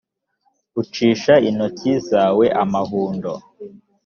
ucisha intoki zawe amahundo‽